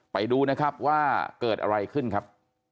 ไปดูนะครับว่าเกิดอะไรขึ้นครับ